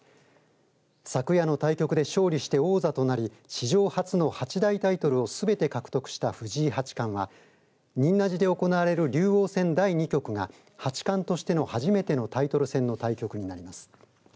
昨夜の対局で勝利して王座となり史上初の八大タイトルをすべて獲得した藤井八冠は仁和寺で行われる竜王戦第２局が八冠としての初めてのタイトル戦になります。